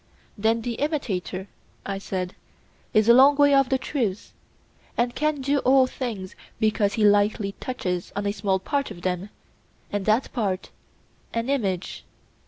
Then the imitator, I said, is a long way off the truth, and can do all things because he lightly touches on a small part of them, and that part an image.